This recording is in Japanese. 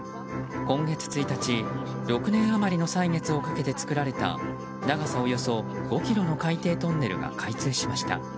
今月１日６年余りの歳月をかけて作られた長さおよそ５ｋｍの海底トンネルが開通しました。